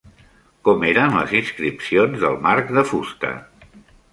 Com eren les inscripcions del marc de fusta?